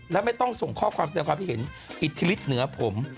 และไม่ต้องส่งข้อความแสดงความคิดเห็นอิทธิฤทธิเหนือผม